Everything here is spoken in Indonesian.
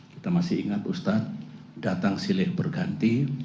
kita masih ingat ustadz datang silih berganti